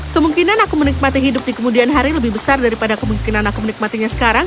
kemungkinan aku menikmati hidup di kemudian hari lebih besar daripada kemungkinan aku menikmatinya sekarang